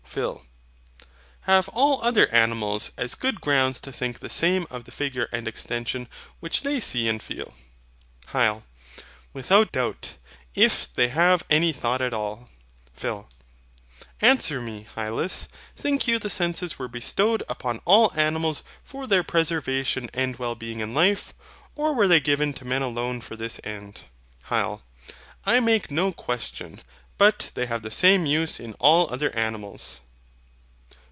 PHIL. Have all other animals as good grounds to think the same of the figure and extension which they see and feel? HYL. Without doubt, if they have any thought at all. PHIL. Answer me, Hylas. Think you the senses were bestowed upon all animals for their preservation and well being in life? or were they given to men alone for this end? HYL. I make no question but they have the same use in all other animals.